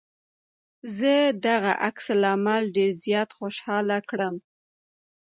زه دغه عکس العمل ډېر زيات خوشحاله کړم.